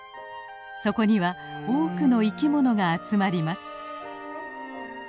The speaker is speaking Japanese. そこには多くの生き物が集まります。